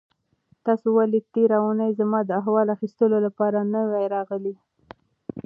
تاسو ولې تېره اونۍ زما د احوال اخیستلو لپاره نه وئ راغلي؟